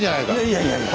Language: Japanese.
いやいやいや！